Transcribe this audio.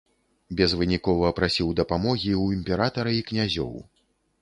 Безвынікова прасіў дапамогі ў імператара і князёў.